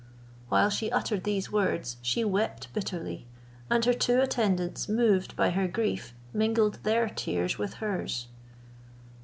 While she uttered these words, she wept bitterly, and her two attendants moved by her grief, mingled their tears with hers.